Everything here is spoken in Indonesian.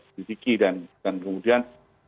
didiki dan kemudian